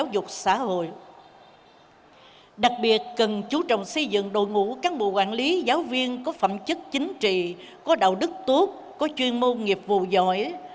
đặc biệt cần chú trọng xây dựng đội ngũ cán bộ quản lý giáo viên có phẩm chất chính trị có đạo đức tốt có chuyên môn nghiệp vụ giỏi